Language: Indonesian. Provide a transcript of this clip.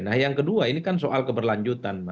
nah yang kedua ini kan soal keberlanjutan